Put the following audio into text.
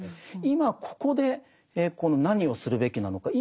今ここで何をするべきなのか。